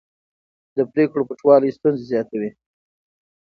د پرېکړو پټوالی ستونزې زیاتوي